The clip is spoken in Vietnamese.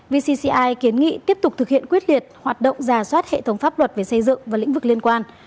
vcci kiến nghị tiếp tục thực hiện quyết liệt hoạt động giả soát hệ thống pháp luật về xây dựng và lĩnh vực liên quan